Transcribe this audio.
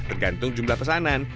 tergantung jumlah pesanan